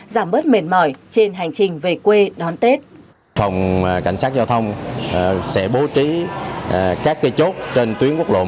giảm bớt mệt mỏi trên hành trình về quê đón tết